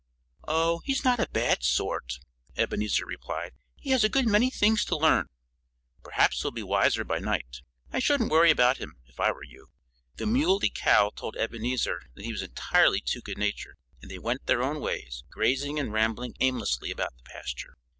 "Oh, he's not a bad sort," Ebenezer replied. "He has a good many things to learn. Perhaps he'll be wiser by night. I shouldn't worry about him, if I were you." The Muley Cow told Ebenezer that he was entirely too good natured. And they went their own ways, grazing and rambling aimlessly about the pasture.